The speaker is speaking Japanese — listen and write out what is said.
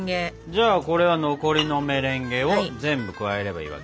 じゃあこれは残りのメレンゲを全部加えればいいわけね。